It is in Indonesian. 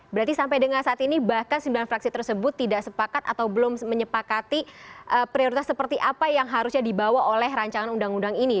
berarti sampai dengan saat ini bahkan sembilan fraksi tersebut tidak sepakat atau belum menyepakati prioritas seperti apa yang harusnya dibawa oleh rancangan undang undang ini